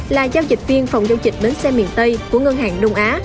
là giao dịch viên phòng giao dịch bến xe miền tây của ngân hàng đông á